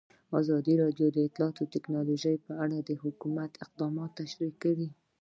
ازادي راډیو د اطلاعاتی تکنالوژي په اړه د حکومت اقدامات تشریح کړي.